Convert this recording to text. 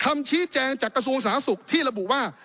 คำชี้แจงจากกระทรวงสาธารณสุขที่ระบุว่า